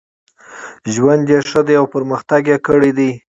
ژوند یې ښه دی او پرمختګ یې کړی دی.